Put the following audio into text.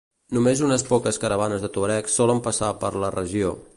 Només unes poques caravanes de tuaregs solen passar per la regió.